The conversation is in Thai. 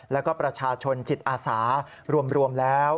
แล้วก็ประชาชนจิตอาสารวมแล้ว